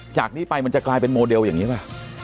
จากนี้ไปมันจะกลายเป็นโมเดลอย่างนี้ป่ะ